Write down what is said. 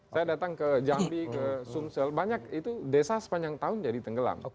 saya datang ke jambi ke sumsel banyak itu desa sepanjang tahun jadi tenggelam